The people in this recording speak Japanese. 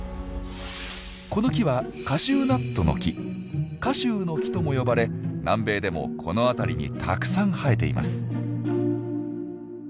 この木はカシューノキとも呼ばれ南米でもこの辺りにたくさん生えています。